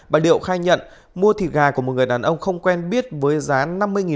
bà liệu khai nhận mua thịt gà của một người đàn ông không quen biết với giá năng